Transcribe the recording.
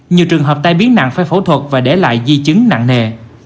nhiều trường hợp tai biến nặng phải phẫu thuật và để lại di chứng nặng nề